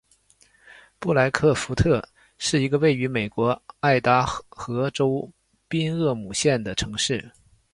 布莱克富特是一个位于美国爱达荷州宾厄姆县的城市。